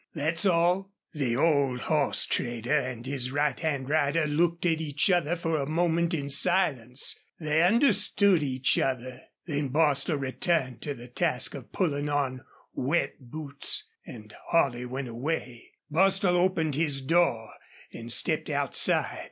That's all." The old horse trader and his right hand rider looked at each other for a moment in silence. They understood each other. Then Bostil returned to the task of pulling on wet boots and Holley went away. Bostil opened his door and stepped outside.